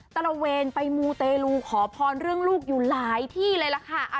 ตระเวนไปมูเตลูขอพรเรื่องลูกอยู่หลายที่เลยล่ะค่ะ